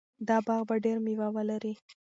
دا باغ به ډېر مېوه ولري.